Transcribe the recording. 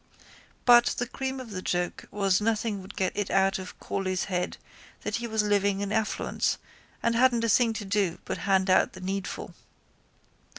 But the cream of the joke was nothing would get it out of Corley's head that he was living in affluence and hadn't a thing to do but hand out the needful.